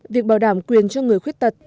việc bảo đảm quyền cho người khuyết tật